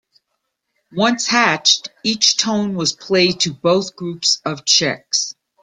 Once hatched, each tone was played to both groups of chicks.